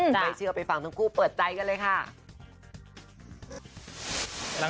ไม่เชื่อไปฟังทั้งคู่เปิดใจกันเลยค่ะ